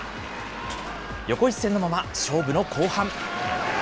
横一線のまま、勝負の後半。